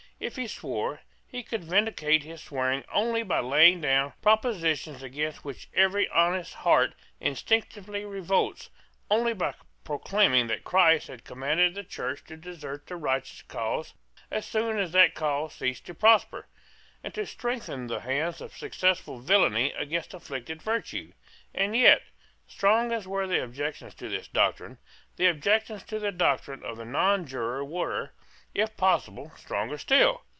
If he swore, he could vindicate his swearing only by laying down propositions against which every honest heart instinctively revolts, only by proclaiming that Christ had commanded the Church to desert the righteous cause as soon as that cause ceased to prosper, and to strengthen the hands of successful villany against afflicted virtue. And yet, strong as were the objections to this doctrine, the objections to the doctrine of the nonjuror were, if possible, stronger still.